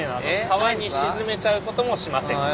川に沈めちゃうこともしません！